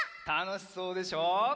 たのしそうでしょう？